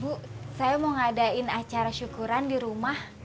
bu saya mau ngadain acara syukuran di rumah